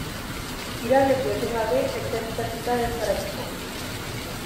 Irabiatu etengabe ezer itsatsita ez geratzeko.